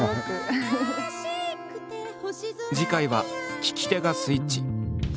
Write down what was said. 次回は聞き手がスイッチ。